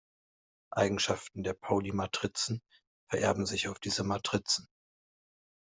Eigenschaften der Pauli-Matrizen vererben sich auf diese Matrizen.